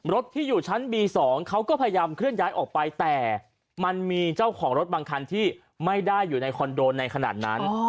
รถที่อยู่ชั้นบี๒เขาก็พยายามเคลื่อนย้ายออกไปแต่มันมีเจ้าของรถบางคันที่ไม่ได้อยู่ในคอนโดในขณะนั้น